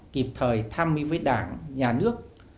kịp thời tham mưu với đảng nhà nước